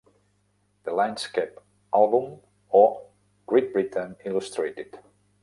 "The landscape album; o, Great Britain illustrated".